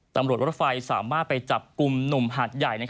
ตำหรับรถไฟสามารถไปจับกุมหนุ่มหาดใหญ่